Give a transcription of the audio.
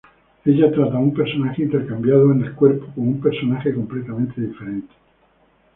Ella trata a un personaje intercambiado en el cuerpo como un personaje completamente diferente.